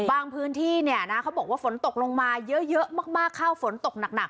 พื้นที่เนี่ยนะเขาบอกว่าฝนตกลงมาเยอะมากเข้าฝนตกหนัก